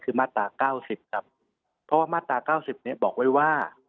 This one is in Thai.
คือมาตราเก้าสิบครับเพราะว่ามาตราเก้าสิบเนี่ยบอกไว้ว่า